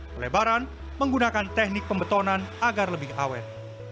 pelebaran menggunakan teknik pembetonan agar lebih awet